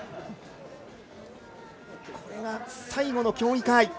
これが最後の競技会